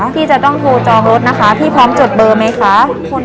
พี่จะต้องโทรจองรถนะคะพี่พร้อมจดเบอร์ไหมคะ